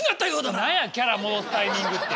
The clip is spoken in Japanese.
なんやキャラ戻すタイミングって。